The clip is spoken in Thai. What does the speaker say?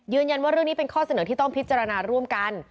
เรื่องนี้เป็นข้อเสนอที่ต้องพิจารณาร่วมกัน